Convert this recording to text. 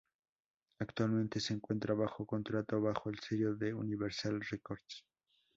Actualmente se encuentra bajo contrato bajo el sello de Universal Records.